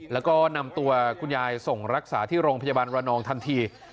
แล้วก็นำตัวคุณยายส่งรักษาที่โรงพยาบาลระนองทันที